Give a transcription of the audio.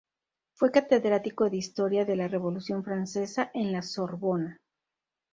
Fue catedrático de Historia de la Revolución Francesa en la Sorbona.